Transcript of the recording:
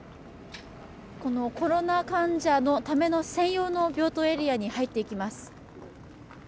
コロナ患者専用の病棟エリアに入っていきます。